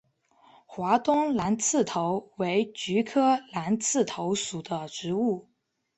华东蓝刺头为菊科蓝刺头属的植物。